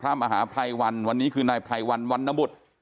มหาภัยวันวันนี้คือนายไพรวันวันนบุตร